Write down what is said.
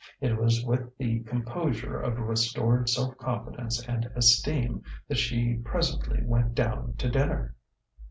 It was with the composure of restored self confidence and esteem that she presently went down to dinner.